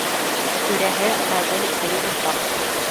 Түрәһе ғәҙел бей уртаҡ.